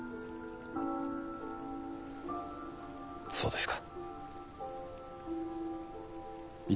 そうですか。